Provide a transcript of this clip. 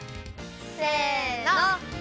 せの。